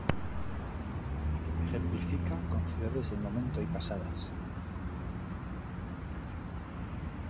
Ejemplifica con ciudades del momento y pasadas.